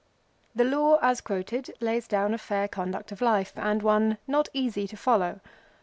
The Law, as quoted, lays down a fair conduct of life, and one not easy to follow.